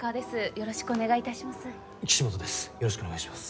よろしくお願いします。